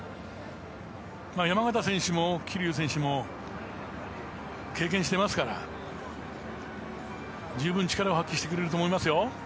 山縣選手も桐生選手も経験してますから十分力を発揮してくれると思いますよ。